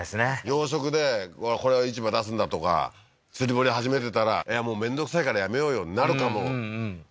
養殖でこれを市場出すんだとか釣堀始めてたらいやもうめんどくさいからやめようよになるかもうんうんうん